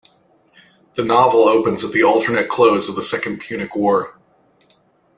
The novel opens at the alternate close of the Second Punic War.